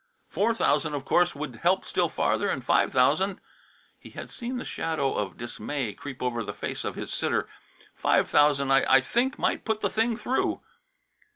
Four thousand, of course, would help still farther and five thousand" he had seen the shadow of dismay creep over the face of his sitter "five thousand, I think, might put the thing through."